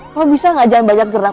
kau bisa nggak jangan banyak gerak